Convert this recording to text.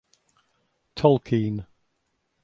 Tolkien.